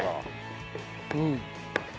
うん。